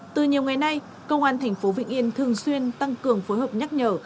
từ nhiều ngày nay công an thành phố vĩnh yên thường xuyên tăng cường phối hợp nhắc nhở